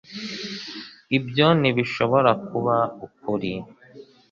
ibyo ntibishobora kuba ukuri